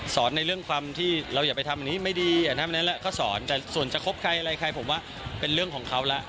สอนในเรื่องความที่เราอย่าไปทำนี้ไม่ดีอย่าทำแบบนั้นแหละเขาสอนแต่ส่วนจะคบใครอะไรใครผมว่าเป็นเรื่องของเขาละ